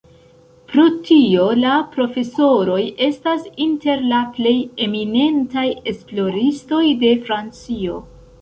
Pro tio, la profesoroj estas inter la plej eminentaj esploristoj de Francio.